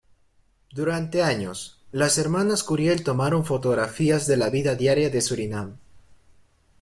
Durante años, las hermanas Curiel tomaron fotografías de la vida diaria de Surinam.